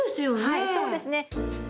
はいそうですね。